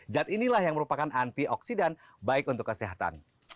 zat inilah yang merupakan antioksidan baik untuk kesehatan